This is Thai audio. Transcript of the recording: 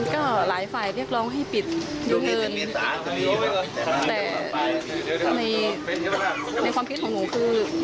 ก็หลายฝ่ายเรียกร้องให้ปิดยุงเงินแต่ในความคิดของหนูคือ